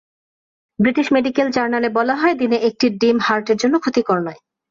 British medical জার্নালে বলা হয়, দিনে একটি ডিম হার্টের জন্য ক্ষতিকর নয়।